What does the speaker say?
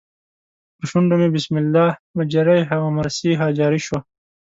پر شونډو مې بسم الله مجریها و مرسیها جاري شو.